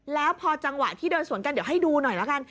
แล้วพอจังหวะที่เดินสวนกันเดี๋ยวให้ดูหน่อยละกัน